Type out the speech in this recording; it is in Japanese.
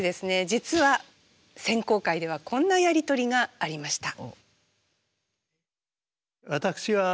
実は選考会ではこんなやり取りがありました。